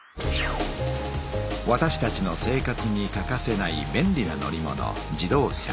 わたしたちの生活に欠かせない便利な乗り物自動車。